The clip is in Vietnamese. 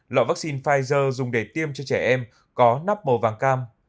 lọ vắc xin pfizer dùng để tiêm cho trẻ em có nắp màu vàng cam